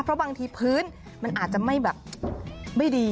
เพราะบางทีพื้นมันอาจจะไม่แบบไม่ดี